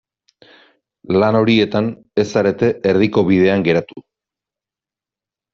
Lan horietan ez zarete erdiko bidean geratu.